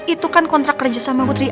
itu kan kontrak kerja sama putri ayu